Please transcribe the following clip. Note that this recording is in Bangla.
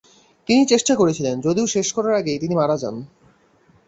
তিনি চেষ্টা করছিলেন যদিও শেষ করার আগেই তিনি মারা যান।